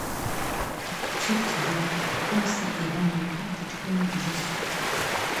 Чықьба Хәымса Иван-иԥа дыҷкәына бжьысуп.